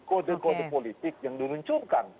kode kode politik yang diluncurkan